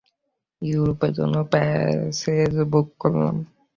ইউরোপের জন্য passage book করলাম।